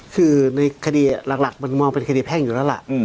คือในคดีหลักมันมองเป็นคดีแพ่งอยู่แล้วล่ะ